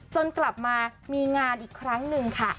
จนกลับมามีงานอีกครั้งหนึ่งค่ะ